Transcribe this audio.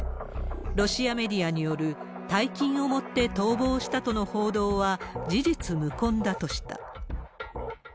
ロシアメディアによる大金を持って逃亡したとの報道は事実無根だとした。